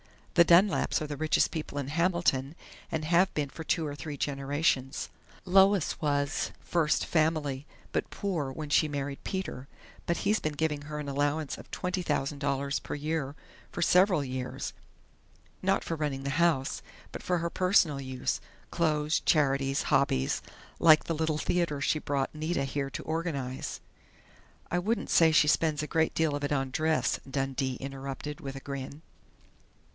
The Dunlaps are the richest people in Hamilton, and have been for two or three generations. Lois was 'first family' but poor when she married Peter, but he's been giving her an allowance of $20,000 a year for several years not for running the house, but for her personal use. Clothes, charities, hobbies, like the Little Theater she brought Nita here to organize " "I wouldn't say she spends a great deal of it on dress," Dundee interrupted with a grin.